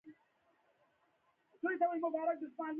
احمد د سعید لودی زوی دﺉ.